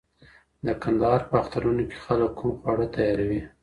د کندهار په اخترونو کي خلګ کوم خواړه تیاروي؟